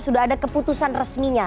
sudah ada keputusan resminya